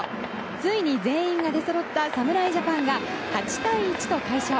ついに全員が出そろった侍ジャパンが８対１と快勝。